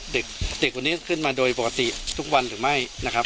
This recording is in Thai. เด็กเด็กวันนี้ขึ้นมาโดยปกติทุกวันหรือไม่นะครับ